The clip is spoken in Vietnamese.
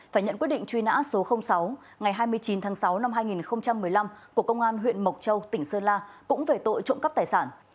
phải nhận quyết định truy nã số sáu ngày hai mươi chín tháng sáu năm hai nghìn một mươi năm của công an huyện mộc châu tỉnh sơn la cũng về tội trộm cắp tài sản